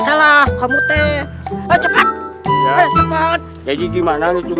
selasi selasi bangun